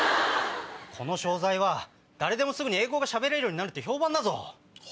この商材は誰でもすぐに英語が喋れるようになるって評判だぞ。